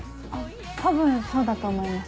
多分そうだと思います。